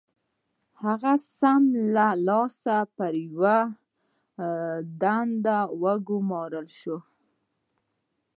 هغه سم له لاسه پر يوه دنده وګومارل شو.